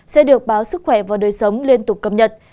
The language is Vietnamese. sẽ được báo sức khỏe và đời sống liên tục cập nhật